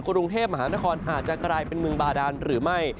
กรุงเทพฯมหานครอาจจะกลายเป็นแม่ดานกันได้หรือไม่